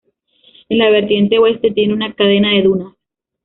En la vertiente oeste tiene una cadena de dunas.